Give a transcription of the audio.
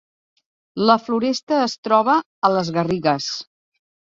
La Floresta es troba a les Garrigues